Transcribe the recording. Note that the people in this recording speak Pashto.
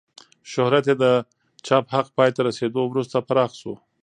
شهرت یې د چاپ حق پای ته رسېدو وروسته پراخ شو.